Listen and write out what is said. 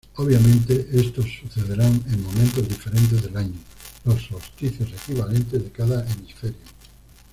Obviamente estos sucederán en momentos diferentes del año, los solsticios equivalentes de cada hemisferio.